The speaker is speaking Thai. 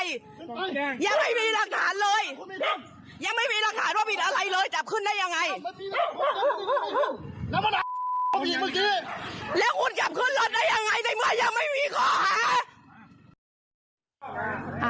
มันยังไม่มีของฮา